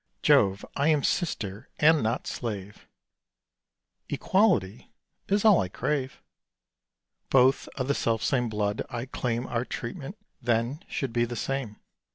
Jove! I am sister, and not slave: Equality is all I crave. Both of the selfsame blood, I claim Our treatment, then, should be the same.